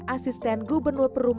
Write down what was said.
asisten gubernur perumunian